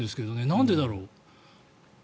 なんでだろう。